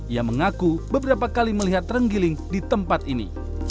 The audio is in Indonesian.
ia mengaku beberapa kali melihat renggiling di tempat ini